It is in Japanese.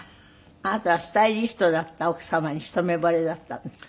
あなたはスタイリストだった奥様に一目惚れだったんですって？